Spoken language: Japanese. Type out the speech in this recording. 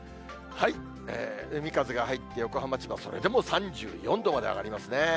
海風が入って、横浜、千葉、それでも３４度まで上がりますね。